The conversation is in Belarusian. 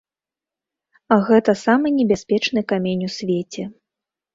Гэта самы небяспечны камень у свеце.